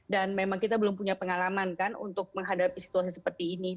dan memang kita belum punya pengalaman untuk menghadapi situasi seperti ini